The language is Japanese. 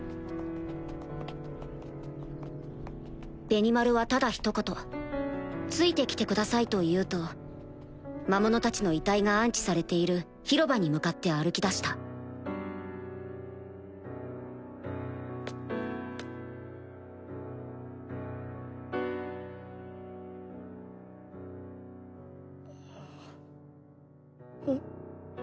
ベニマルはただひと言「ついて来てください」と言うと魔物たちの遺体が安置されている広場に向かって歩きだしたん？